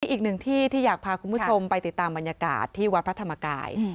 อีกหนึ่งที่ที่อยากพาคุณผู้ชมไปติดตามบรรยากาศที่วัดพระธรรมกาย